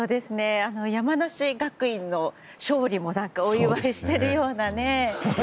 山梨学院の勝利もお祝いしているような。